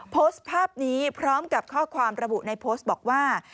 โพสต์ภาพนี้พร้อมกับข้อความระบุในโพสต์บอกว่า